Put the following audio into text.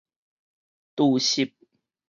除溼